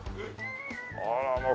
あらまあ。